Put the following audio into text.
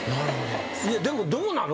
でもどうなの？